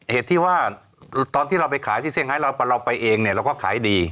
เหตุที่ว่าตอนที่เราไปขายที่เซี่ยเราไปเองเนี่ยเราก็ขายดี